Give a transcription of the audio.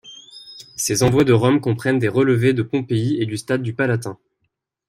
Ses envois de Rome comprennent des relevés de Pompéi et du stade du Palatin.